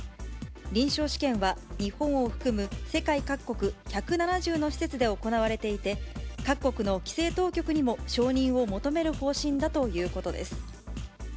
臨床試験は日本を含む世界各国１７０の施設で行われていて、各国の規制当局にも承認を求める方針だということです。